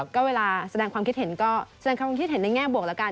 ก็เวลาแสดงความคิดเห็นก็แสดงความคิดเห็นในแง่บวกแล้วกัน